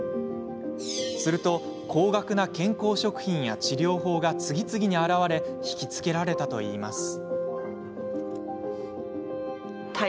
すると、高額な健康食品や治療法が次々に現れ引きつけられたといいます。